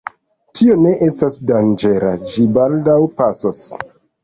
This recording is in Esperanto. Tio ne estas danĝera, ĝi baldaŭ pasos.